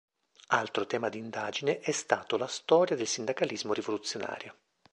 Altro tema di indagine è stato la storia del sindacalismo rivoluzionario.